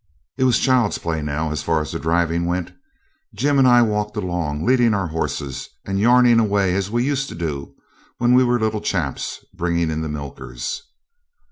It was child's play now, as far as the driving went. Jim and I walked along, leading our horses and yarning away as we used to do when we were little chaps bringing in the milkers.